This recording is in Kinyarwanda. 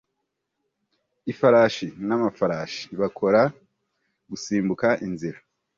Ifarashi n'amafarashi bakora gusimbuka inzira